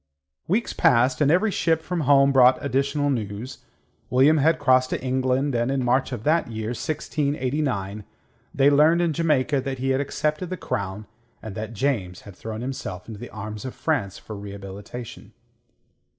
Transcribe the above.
Weeks passed, and every ship from home brought additional news. William had crossed to England, and in March of that year 1689 they learnt in Jamaica that he had accepted the crown and that James had thrown himself into the arms of France for rehabilitation.